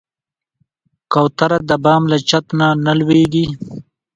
کوتره د بام له چت نه نه لوېږي.